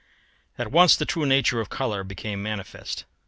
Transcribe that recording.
] At once the true nature of colour became manifest.